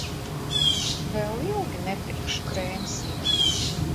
Vēl ilgi nepirkšu krēmsieru.